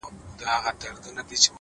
او تاته زما د خپلولو په نيت!!